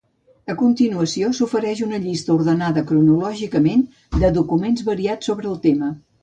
A continuació s'ofereix una llista ordenada cronològicament de documents variats sobre el tema.